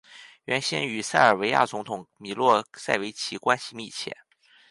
原先与塞尔维亚总统米洛塞维奇关系密切。